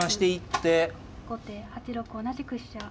後手８六同じく飛車。